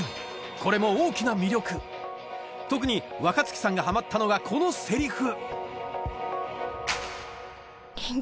これも大きな魅力特に若月さんがハマったのがこのセリフ